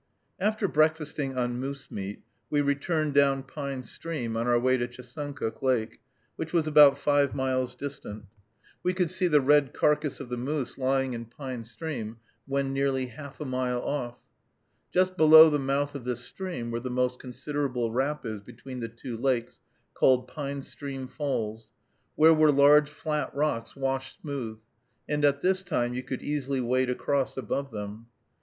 After breakfasting on moose meat, we returned down Pine Stream on our way to Chesuncook Lake, which was about five miles distant. We could see the red carcass of the moose lying in Pine Stream when nearly half a mile off. Just below the mouth of this stream were the most considerable rapids between the two lakes, called Pine Stream Falls, where were large flat rocks washed smooth, and at this time you could easily wade across above them.